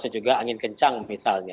juga angin kencang misalnya